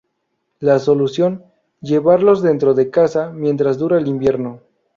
La solución: llevarlos dentro de casa mientras dura el invierno.